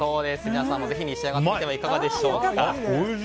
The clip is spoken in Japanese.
皆さんもぜひ召し上がってみてはいかがでしょうか。